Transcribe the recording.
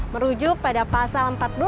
merujuk pada pasal empat belas